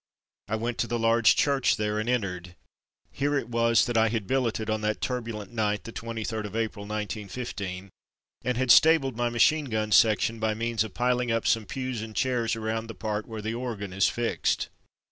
I went to the large church there, and entered. Here it was that I had billeted on that turbulent night, the 23 rd of April, 191 5, and had stabled my machine gun section by means of piling up some pews and chairs around the part where the organ is fixed.